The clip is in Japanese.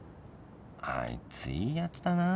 あいついいやつだな